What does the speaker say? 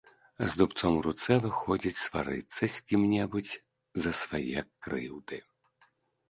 З дубцом у руцэ выходзіць сварыцца з кім-небудзь за свае крыўды.